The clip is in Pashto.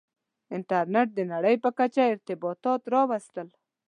• انټرنېټ د نړۍ په کچه ارتباطات راوستل.